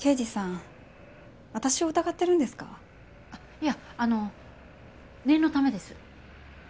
いやあの念のためです。